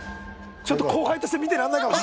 ちょっと後輩として見てらんないかも！